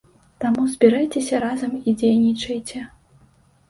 Таму збірайцеся разам і дзейнічайце.